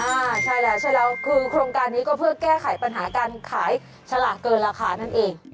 อ่าใช่แล้วใช่แล้วคือโครงการนี้ก็เพื่อแก้ไขปัญหาการขายสลากเกินราคานั่นเอง